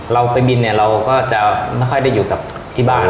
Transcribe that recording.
เราไปบินเนี่ยเราก็จะไม่ค่อยได้อยู่กับที่บ้าน